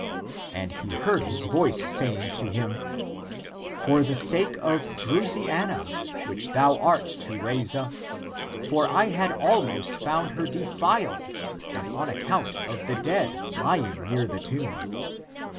And he heard (his) voice saying to him. " For the sake of Drusiana, ACTS OF JOHN 167 which thou art to raise up — for I had almost found her defiled and on account of the dead lying near the tomb."